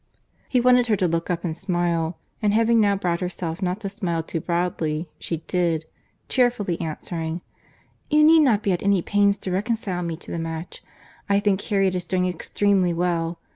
He wanted her to look up and smile; and having now brought herself not to smile too broadly—she did—cheerfully answering, "You need not be at any pains to reconcile me to the match. I think Harriet is doing extremely well.